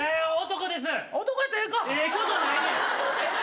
男です。